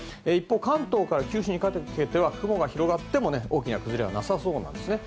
関東から九州にかけては雲が広がっても大きな崩れはなさそうなんですね。